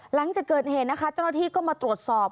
หลังจากเกิดเหตุนะคะเจ้าหน้าที่ก็มาตรวจสอบ